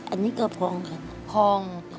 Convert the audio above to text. อันนี้ก็พองค่ะ